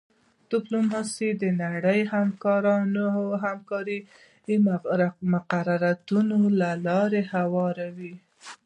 ډیپلوماسي د نړیوالې همکارۍ مقرراتو ته لاره هواروي